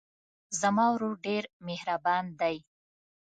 زما ورور ډېر مهربان دی.